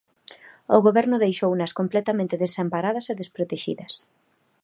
O Goberno deixounas completamente desamparadas e desprotexidas.